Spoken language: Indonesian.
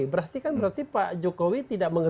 berarti kan pak jokowi tidak mengenal